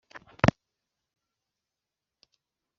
Muterankunga uwo ari we wese